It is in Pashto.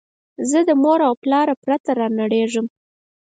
زه له موره او پلاره پرته رانړېږم